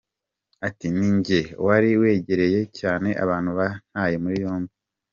Ati: “Ninjye wari wegereye cyane abantu bantaye muri yombi.